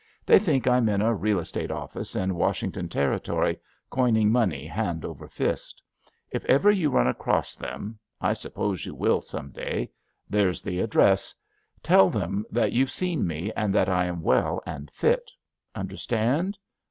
They think I'm in a real estate office in Washington Territory, coining money hand over fist. If ever you run across them — ^I suppose you will some day — there's the address. Tell them that you've seen me, and that I am well and fit. Understand